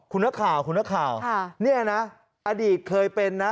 คุณนักข่าวคุณนักข่าวเนี่ยนะอดีตเคยเป็นนะ